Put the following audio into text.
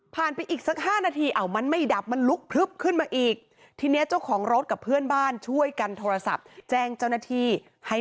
ผ่านไปอีกสัก๕นาที